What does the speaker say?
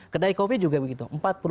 kedai kopi juga begitu